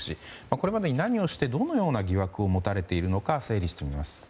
これまでに何をしてどのような疑惑を持たれているのか整理してみます。